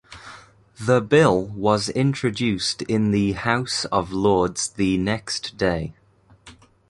The bill was introduced in the House of Lords the next day.